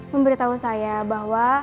memberitahu saya bahwa